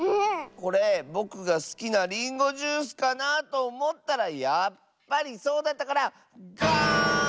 これぼくがすきなリンゴジュースかなとおもったらやっぱりそうだったからガーン！